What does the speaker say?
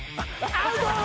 アウトー！